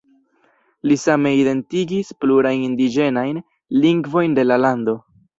Li same identigis plurajn indiĝenajn lingvojn de la lando.